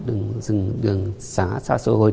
đường xa xôi